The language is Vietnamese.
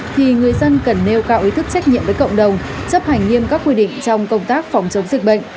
thì người dân cần nêu cao ý thức trách nhiệm với cộng đồng chấp hành nghiêm các quy định trong công tác phòng chống dịch bệnh